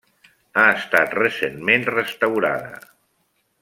Ha estat recentment restaurada.